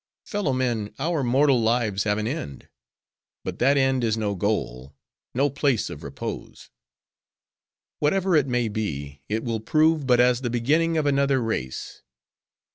Fellow men! our mortal lives have an end; but that end is no goal: no place of repose. Whatever it may be, it will prove but as the beginning of another race.